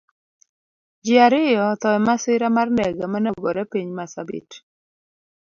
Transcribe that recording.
Ji ariyo otho emasira mar ndege mane ogore piny marsabit